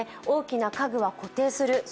大きな家具は固定する。